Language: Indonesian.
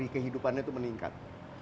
kehidupannya itu meningkat